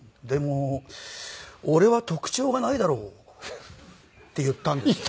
「でも俺は特徴がないだろ」って言ったんですよ。